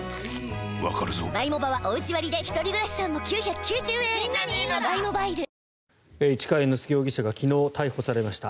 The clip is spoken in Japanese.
わかるぞ市川猿之助容疑者が昨日逮捕されました。